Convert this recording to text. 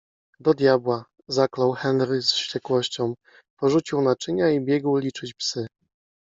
- Do diabła - zaklął Henry z wściekłością. Porzucił naczynia i biegł liczyć psy.